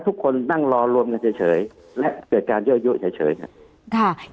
ทุกคนนั่งรอรวมกันเฉยและเกิดการเยอะเยอะเฉยเนี่ยค่ะ